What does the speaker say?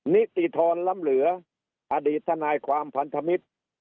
นิติธรล้ำเหลืออดีตทนายความพันธมิตร